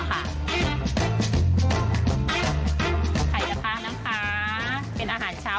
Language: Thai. ไข่กระพะน้ำค้า